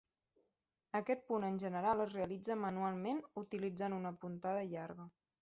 Aquest punt en general es realitza manualment utilitzant una puntada llarga.